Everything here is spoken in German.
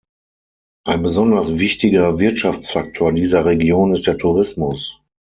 Ein besonders wichtiger Wirtschaftsfaktor dieser Region ist der Tourismus.